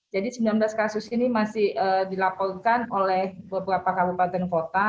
jadi sembilan belas kasus ini masih dilaporkan oleh beberapa kabupaten kota